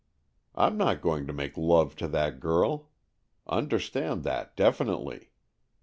Fm not going to make love to that girl. Understand that definitely.